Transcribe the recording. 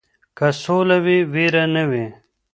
که سوله وي ویره نه وي.